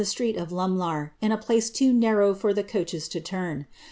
Street of Lumlar^ in a place too narrow for the coaches to tan.